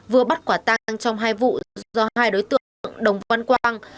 vừa bắt quả tang trong hai vụ do hai đối tượng đồng văn quang